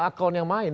akun yang main